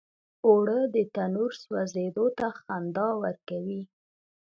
اوړه د تنور سوزیدو ته خندا ورکوي